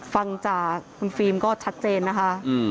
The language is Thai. ฟังจากคุณฟิล์มก็ชัดเจนนะคะ